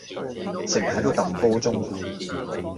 成日係度揼波鐘